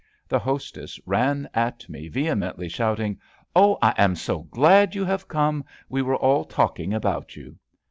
The hostess ran at me, vehemently shouting: Oh, I am so glad you have come. We were all talking about you.''